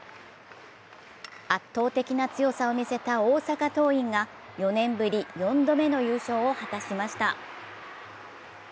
圧倒的な強さを見せた大阪桐蔭が４年ぶり４度目の優勝を果たしました。